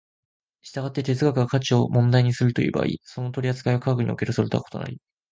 従って哲学が価値を問題にするという場合、その取扱いは科学におけるそれとは異なり、